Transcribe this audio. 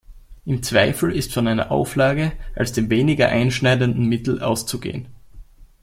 Im Zweifel ist von einer Auflage als dem weniger einschneidenden Mittel auszugehen.